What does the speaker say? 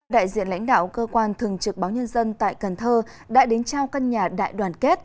đại diện lãnh đạo cơ quan thường trực báo nhân dân tại cần thơ đã đến trao căn nhà đại đoàn kết